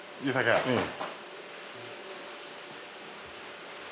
うん。